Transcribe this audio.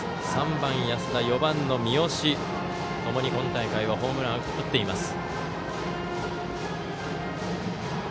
３番、安田４番の三好ともに今大会はホームランを打っています。